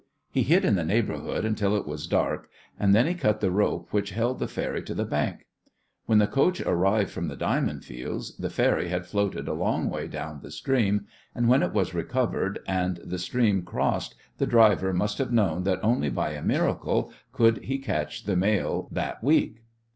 He hid in the neighbourhood until it was dark, and then he cut the rope which held the ferry to the bank. When the coach arrived from the diamond fields the ferry had floated a long way down the stream, and when it was recovered and the stream crossed the driver must have known that only by a miracle could he catch the mail that week.